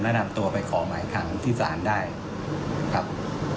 และนำตัวไปขอหมายคังที่ศาลได้ครับ